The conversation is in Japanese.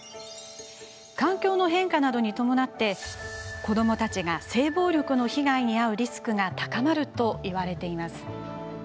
環境の変化などに伴って子どもたちが性暴力の被害に遭うリスクが高まるといわれています。